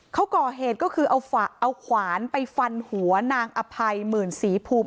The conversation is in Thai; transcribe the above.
เขาก่อเหตุก็คือเอาขวานไปฟันหัวนางอภัยหมื่นศรีภูมิ